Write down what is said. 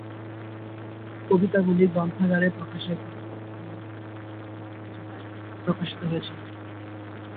কবিতাগুলি গ্রন্থাকারে প্রকাশের পূর্বে বিভিন্ন সময়ে "ভারতী" পত্রিকায় প্রকাশিত হয়েছিল।